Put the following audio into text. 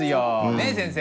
ねっ先生。